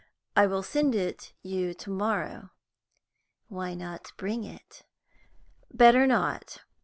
I will send it you to morrow." "Why not bring it?" "Better not.